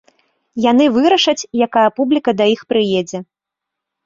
Яны вырашаць, якая публіка да іх прыедзе.